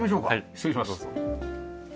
失礼します。